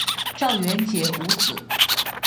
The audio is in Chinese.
赵元杰无子。